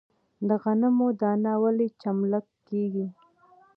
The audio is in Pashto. د غنمو دانه ولې چملک کیږي؟